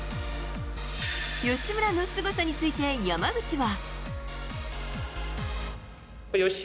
吉村のすごさについて山口は。